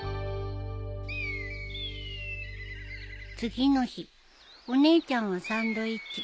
［次の日お姉ちゃんはサンドイッチ］